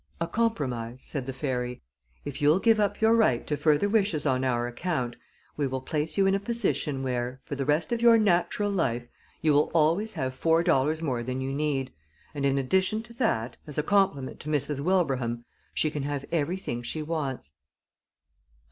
"A compromise," said the fairy. "If you'll give up your right to further wishes on our account we will place you in a position where, for the rest of your natural life, you will always have four dollars more than you need, and in addition to that, as a compliment to Mrs. Wilbraham, she can have everything she wants."